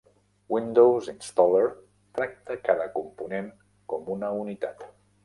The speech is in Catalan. Windows Installer tracta cada component com una unitat.